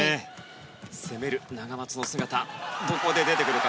攻めるナガマツの姿が出てくるか。